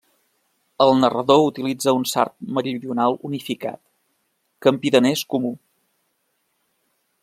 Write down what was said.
El narrador utilitza un sard meridional unificat, campidanès comú.